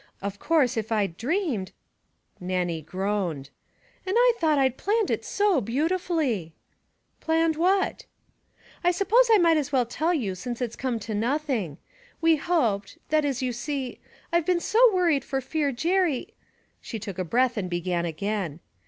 Of course if I'd dreamed ' Nannie groaned. 'And I thought I'd planned it so beautifully!' 'Planned what?' 'I suppose I might as well tell you since it's come to nothing. We hoped that is, you see I've been so worried for fear Jerry ' She took a breath and began again.